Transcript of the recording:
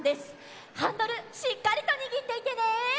ハンドルしっかりとにぎっていてね！